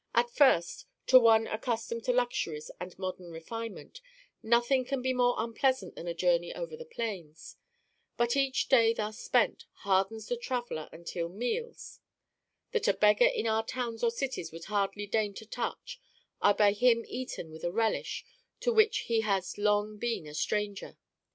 At first, to one accustomed to luxuries and modern refinement, nothing can be more unpleasant than a journey over the plains; but each day thus spent, hardens the traveler until meals, that a beggar in our towns or cities would hardly deign to touch, are by him eaten with a relish to which he has long been a stranger.